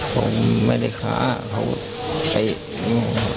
ผมไม่ได้คล้าเขาเล่น